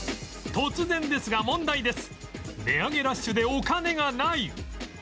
突然ですが問題です